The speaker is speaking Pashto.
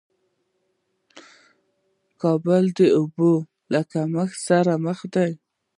کابل د اوبو له کمښت سره مخ دې